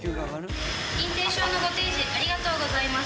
認定証のご提示ありがとうございます。